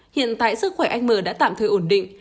hiện tại sức khỏe anh m đã tạm thời ổn định